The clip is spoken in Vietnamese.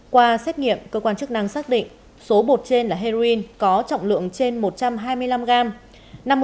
qua xét nghiệm cơ quan chức năng xác định số bột trên là heroin có trọng lượng trên một trăm hai mươi năm gram